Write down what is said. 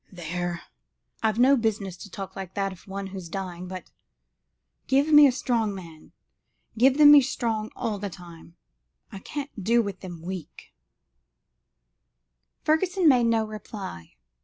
There! I've no business to talk like that of one who's dying, but give me a strong man, give them me strong all the time I can't do with them weak." Fergusson made no reply.